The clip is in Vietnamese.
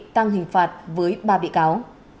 tăng hình phạt với ba bị cáo